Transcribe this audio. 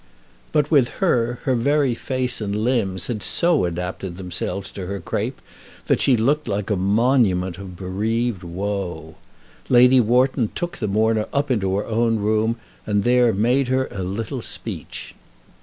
But, with her, her very face and limbs had so adapted themselves to her crape, that she looked like a monument of bereaved woe. Lady Wharton took the mourner up into her own room, and there made her a little speech.